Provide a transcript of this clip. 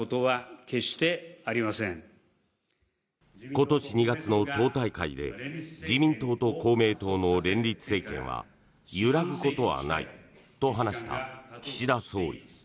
今年２月の党大会で自民党と公明党の連立政権は揺らぐことはないと話した岸田総理。